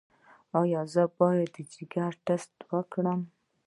ایا زه باید د ځیګر ټسټ وکړم؟